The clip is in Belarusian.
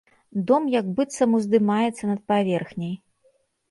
Дом як быццам уздымаецца над паверхняй.